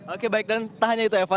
oke baik dan tanya itu eva